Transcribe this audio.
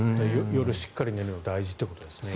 夜しっかり寝るのが大事ということですね。